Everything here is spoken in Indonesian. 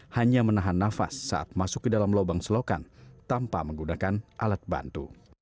hanya menahan nafas saat masuk ke dalam lubang selokan tanpa menggunakan alat bantu